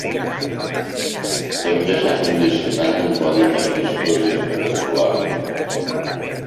També s’ha condicionat un podi més vistós i espectacular.